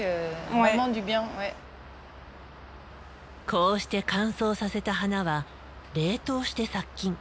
こうして乾燥させた花は冷凍して殺菌。